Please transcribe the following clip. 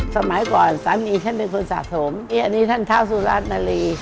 สมัยก่อนสันนี้ฉันคือคนสาสมอันนี้ท่านท้าวสุรรานลี